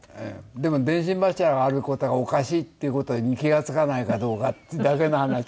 でも電信柱がある事がおかしいっていう事に気が付かないかどうかっていうだけの話。